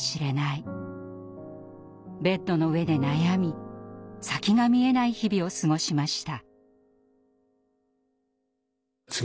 ベッドの上で悩み先が見えない日々を過ごしました。